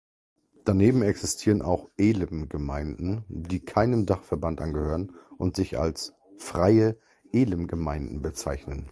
Daneben existieren auch Elim-Gemeinden, die keinem Dachverband angehören und sich als „Freie Elimgemeinden“ bezeichnen.